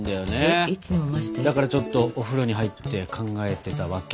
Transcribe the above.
だからちょっとお風呂に入って考えてたわけ。